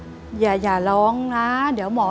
อเรนนี่นี่คือเหตุการณ์เริ่มต้นหลอนช่วงแรกแล้วมีอะไรอีก